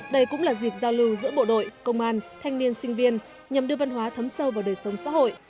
đây cũng là dịp giao lưu giữa bộ đội công an thanh niên sinh viên nhằm đưa văn hóa thấm sâu vào đời sống xã hội